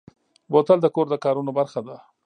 بوتل د کور د کارونو برخه ده.